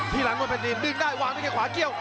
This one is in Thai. ที่หลังมันเป็นทีมดึงได้วางไปทางขวาเกี่ยว